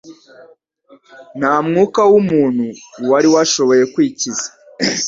nta mwuka w'umuntu wari washoboye kwikiza